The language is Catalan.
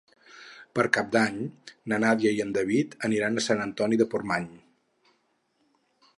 Per Cap d'Any na Nàdia i en David aniran a Sant Antoni de Portmany.